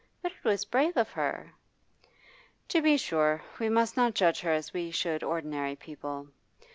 'But it was brave of her.' 'To be sure, we must not judge her as we should ordinary people.